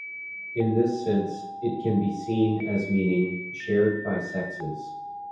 In this sense, it can be seen as meaning "shared by sexes".